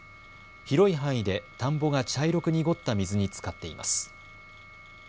広い範囲で田んぼが茶色く濁った水につかっています。